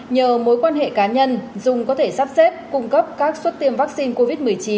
nhờ mối quan hệ cá nhân dùng có thể sắp xếp cung cấp các suất tiêm vaccine covid một mươi chín